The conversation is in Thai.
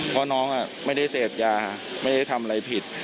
เพราะน้องไม่ได้เสพยาไม่ได้ทำอะไรผิด